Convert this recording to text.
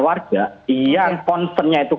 warga yang concernnya itu